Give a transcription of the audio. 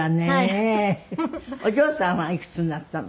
お嬢さんはいくつになったの？